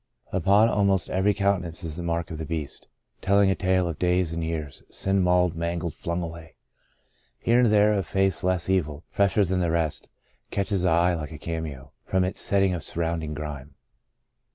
Upon almost every countenance is the mark of the Beast, tell ing a tale of days and years — sin mauled, mangled, flung away. Here and there a face less evil, fresher than the rest, catches the eye like a cameo, from its setting of sur rounding grime.